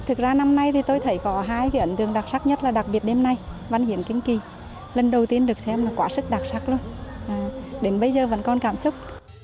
thực ra năm nay thì tôi thấy có hai cái ấn tượng đặc sắc nhất là đặc biệt đêm nay văn hiến kinh kỳ lần đầu tiên được xem là quá sức đặc sắc luôn đến bây giờ vẫn còn cảm xúc